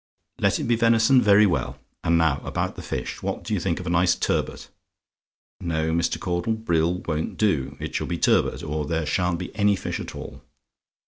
"LET IT BE VENISON? "Very well. And now about the fish? What do you think of a nice turbot? No, Mr. Caudle, brill won't do it shall be turbot, or there sha'n't be any fish at all.